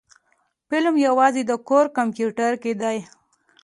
فلم يوازې د کور کمپيوټر کې دی.